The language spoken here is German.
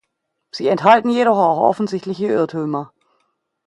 Sie enthalten jedoch auch offensichtliche Irrtümer.